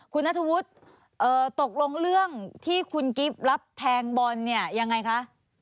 คุณนัทธวุฒิตกลงเรื่องที่คุณกิฟต์รับแทงบอลเนี่ยยังไงคะ